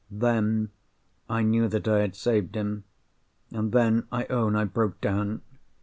Then, I knew that I had saved him; and then I own I broke down.